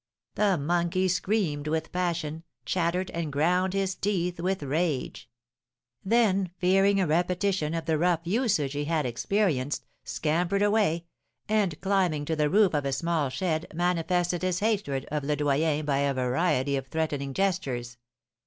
The monkey screamed with passion, chattered, and ground his teeth with rage; then, fearing a repetition of the rough usage he had experienced, scampered away, and, climbing to the roof of a small shed, manifested his hatred of Le Doyen by a variety of threatening gestures.